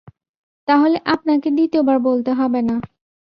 তাহলে, আপনাকে দ্বিতীয়বার বলতে হবে না।